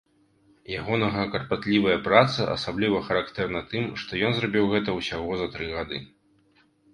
Ягонага карпатлівая праца асабліва характэрна тым, што ён зрабіў гэта ўсяго за тры гады.